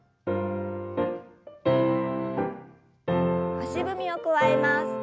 足踏みを加えます。